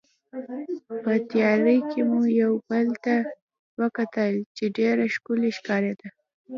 په تیارې کې مو یو بل ته وکتل چې ډېره ښکلې ښکارېده.